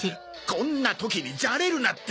こんな時にじゃれるなって！